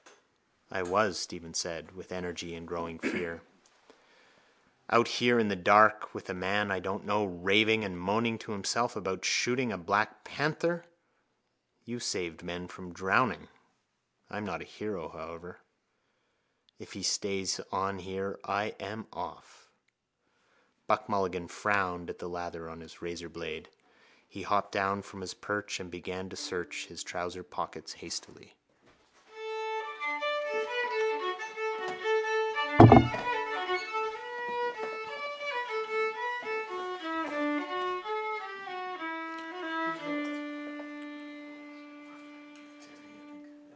—I was, Stephen said with energy and growing fear. Out here in the dark with a man I don't know raving and moaning to himself about shooting a black panther. You saved men from drowning. I'm not a hero, however. If he stays on here I am off. Buck Mulligan frowned at the lather on his razorblade. He hopped down from his perch and began to search his trouser pockets hastily.